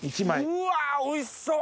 うわおいしそう！